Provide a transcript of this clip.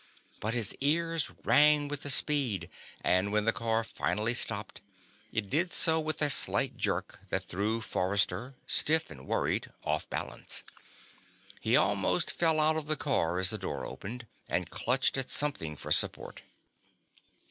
But his ears rang with the speed, and when the car finally stopped, it did so with a slight jerk that threw Forrester, stiff and worried, off balance. He almost fell out of the car as the door opened, and clutched at something for support.